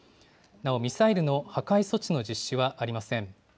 なお、ミサイルの破壊措置の実施はありません。